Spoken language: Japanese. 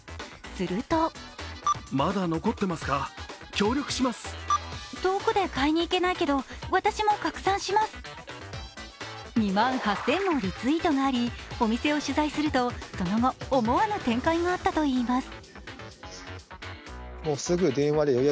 すると２万８０００もリツイートがありお店を取材するとその後、思わぬ展開があったといいます。